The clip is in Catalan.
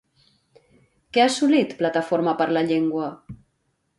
Què ha assolit Plataforma per la Llengua?